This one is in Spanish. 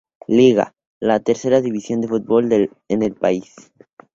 Liga, la tercera división de fútbol en el país.